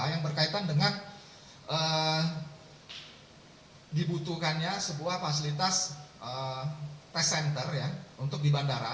yang berkaitan dengan dibutuhkannya sebuah fasilitas test center ya untuk di bandara